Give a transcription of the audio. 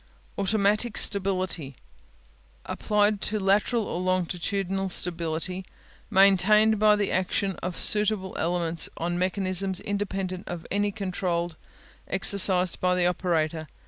Automatic Stability Applied to lateral or longitudinal stability maintained by the action of suitable elements on mechanisms independent of any control exercised by the operator.